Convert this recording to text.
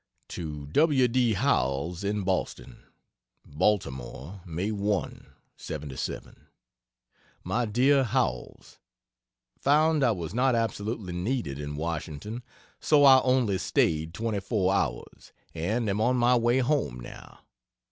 To W. D. Howells, in Boston: BALTIMORE, May 1, '77. MY DEAR HOWELLS, Found I was not absolutely needed in Washington so I only staid 24 hours, and am on my way home, now.